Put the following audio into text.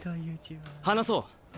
話そう。